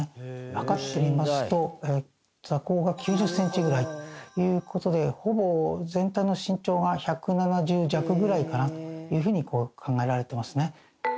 測ってみますと座高が９０センチぐらいという事でほぼ全体の身長が１７０弱ぐらいかなというふうに考えられてますね。